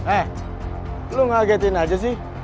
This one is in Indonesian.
eh lu ngagetin aja sih